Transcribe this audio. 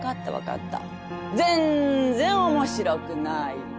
全然面白くない。